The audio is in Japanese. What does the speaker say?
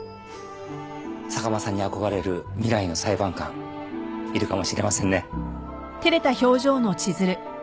坂間さんに憧れる未来の裁判官いるかもしれませんね。